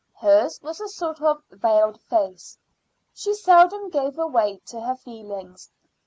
Hers was a sort of veiled face; she seldom gave way to her feelings.